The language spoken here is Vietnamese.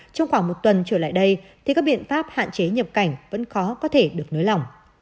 trong khoảng một tuần trở lại đây thì các biện pháp hạn chế nhập cảnh vẫn khó có thể được nới lỏng